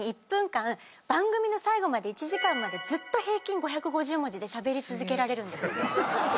１分間番組の最後まで１時間までずっと平均５５０文字でしゃべり続けられるんですよ。